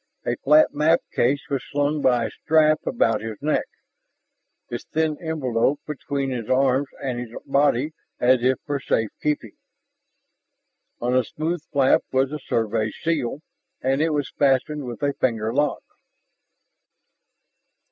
A flat map case was slung by a strap about his neck, its thin envelope between his arm and his body as if for safekeeping. On the smooth flap was the Survey seal, and it was fastened with a finger lock.